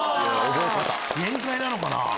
限界なのかな？